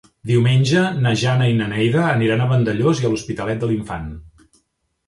Diumenge na Jana i na Neida aniran a Vandellòs i l'Hospitalet de l'Infant.